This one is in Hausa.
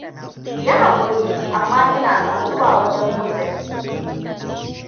Yi hakuri, amma ina son zuwa wajen motsa jiki.